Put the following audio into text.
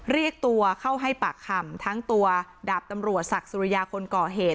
เรียกตัวเข้าให้ปากคำทั้งตัวดาบตำรวจศักดิ์สุริยาคนก่อเหตุ